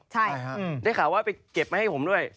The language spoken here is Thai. ใช่ได้ข่าวว่าไปเก็บมาให้ผมด้วย